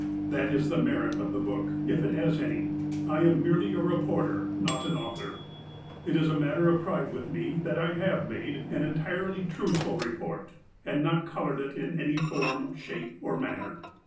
That is the merit of the book, if it has any. I am merely a reporter, not an author. It is a matter of pride with me that I have made an en tirely truthful report, and not coloured it in any form, shape, or manner.